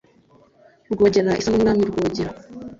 rwogera)-isa n’umwami rwogera